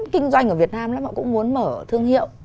kinh doanh ở việt nam họ cũng muốn mở thương hiệu